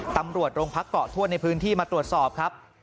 ตำรวจโรงพักเกาะทวดในพื้นที่มาตรวจสอบครับ